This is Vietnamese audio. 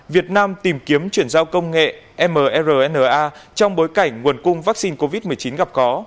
việt nam tìm kiếm chuyển giao công nghệ mrna trong bối cảnh nguồn cung vaccine covid một mươi chín gặp có